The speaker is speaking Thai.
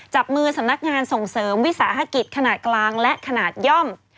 จับมือสำนักงานส่งเสริมวิสาหกิจขนาดกลางและขนาดย่อม